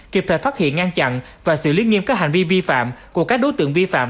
kịp thời phát hiện ngăn chặn và xử lý nghiêm các hành vi vi phạm của các đối tượng vi phạm